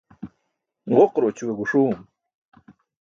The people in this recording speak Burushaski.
Ġoquraćue guṣuum.